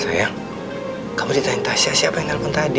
sayang kamu ditanya tasya siapa yang telfon tadi